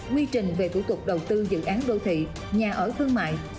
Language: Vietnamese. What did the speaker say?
quy trình về thủ tục đầu tư dự án đô thị nhà ở thương mại